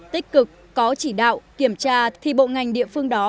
tích cực có chỉ đạo kiểm tra thì bộ ngành địa phương đó